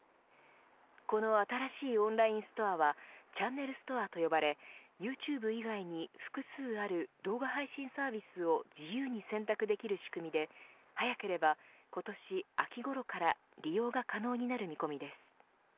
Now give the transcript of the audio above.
この新しいオンラインストアはチャンネルストアと呼ばれユーチューブ以外に複数ある動画配信サービスを自由に選択できる仕組みで早ければ今年秋ごろから利用が可能になる見込みです。